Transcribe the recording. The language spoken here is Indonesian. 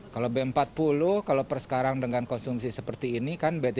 kalau b empat puluh kalau persekarang dengan konsumsi seperti ini kan b tiga puluh sepuluh lima belas